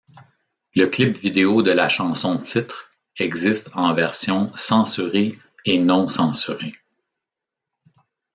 Le clip vidéo de la chanson titre existe en versions censurée et non-censurée.